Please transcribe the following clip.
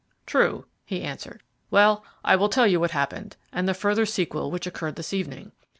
"True," he answered. "Well, I will tell you what happened, and the further sequel which occurred this evening.